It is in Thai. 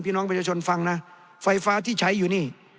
น้องประชาชนฟังนะไฟฟ้าที่ใช้อยู่นี่